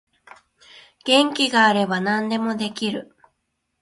元気があれば何でもできる